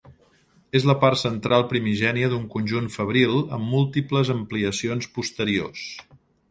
És la part central primigènia d'un conjunt fabril amb múltiples ampliacions posteriors.